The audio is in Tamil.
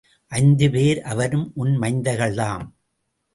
ஐந்து பேர் அவரும் உன் மைந்தர்கள் தாம்.